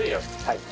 はい。